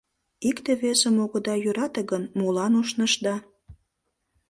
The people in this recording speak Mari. Икте-весым огыда йӧрате гын, молан ушнышда?»